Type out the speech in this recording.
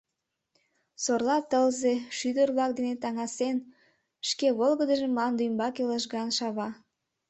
Сорла тылзе, шӱдыр-влак дене таҥасен, шке волгыдыжым мланде ӱмбаке лыжган шава.